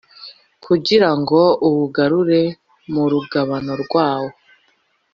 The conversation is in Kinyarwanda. kugira ngo uwugarure mu rugabano rwawo